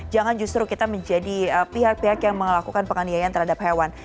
jangan justru kita menjadi pihak pihak yang melakukan penganiayaan terhadap hewan